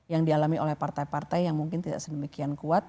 yang dialami oleh partai partai yang mungkin tidak sedemikian kuat